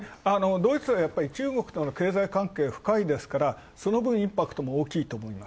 ドイツはやっぱり中国との経済関係が深いので、そのぶんインパクトも大きいと思います。